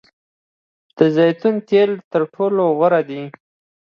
د زیتون تیل تر ټولو غوره دي.